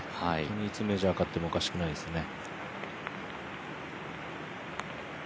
いつメジャー勝ってもおかしくないですね。